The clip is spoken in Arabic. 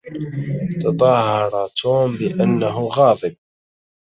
تظاهرَ توم بأنّه غاضب.